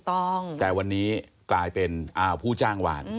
แต่วันนี้กลายเป็นอผู้จ้างหวาน